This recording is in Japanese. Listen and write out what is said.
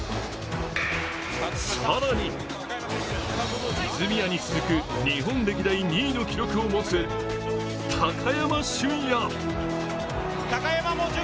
更に、泉谷に続く日本歴代２位の記録を持つ高山峻野。